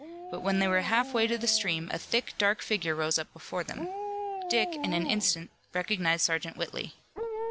But when they were half way to the stream a thick, dark figure rose up before them. Dick, in an instant, recognized Sergeant Whitley.